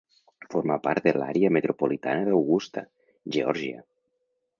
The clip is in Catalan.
Forma part de l'àrea metropolitana d'Augusta, Geòrgia.